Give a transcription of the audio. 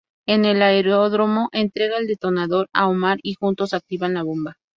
En el aeródromo, entrega el detonador a Omar y juntos activan la bomba.